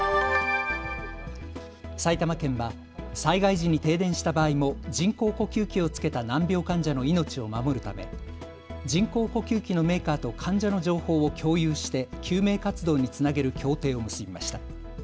埼玉県は災害時に停電した場合も人工呼吸器をつけた難病患者の命を守るため、人工呼吸器のメーカーと患者の情報を共有して救命活動につなげる協定を結びました。